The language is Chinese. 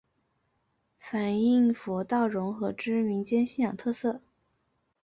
反应佛道融合之民间信仰特色。